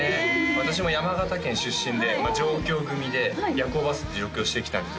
私も山形県出身で上京組で夜行バスで上京してきたんですよ